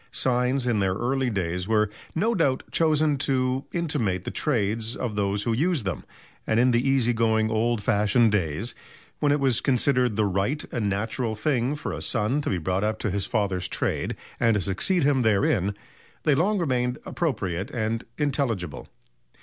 Signs in their early days were, no doubt, chosen to intimate the trades of those who used them, and in the easy going old fashioned days when it was considered the right and natural thing for a son to be brought up to his father's trade and to succeed him therein, they long remained appropriate and intelligible.